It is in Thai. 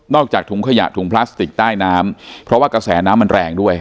อกจากถุงขยะถุงพลาสติกใต้น้ำเพราะว่ากระแสน้ำมันแรงด้วย